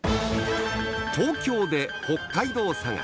東京で北海道さがし